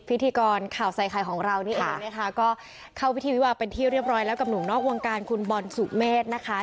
พิธีกรข่าวใส่ไข่ของเรานี่เองนะคะก็เข้าพิธีวิวาเป็นที่เรียบร้อยแล้วกับหนุ่มนอกวงการคุณบอลสุเมฆนะคะ